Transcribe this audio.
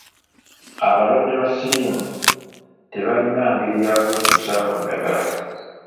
Abalwadde ba ssiriimu tebalina ngeri ya kwetusaako ddagala.